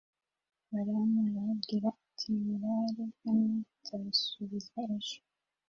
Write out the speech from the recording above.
balamu arababwira ati nimurare hano, nzabasubiza ejo.